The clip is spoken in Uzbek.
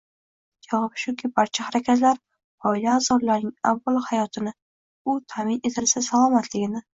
Javob shuki, barcha harakatlar oila a’zolarining avvalo hayotini, u ta’min etilsa salomatligini